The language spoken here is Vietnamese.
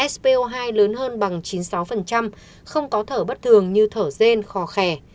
spo hai lớn hơn bằng chín mươi sáu không có thở bất thường như thở rên khó khẻ